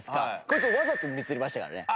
こいつわざとミスりましたからね。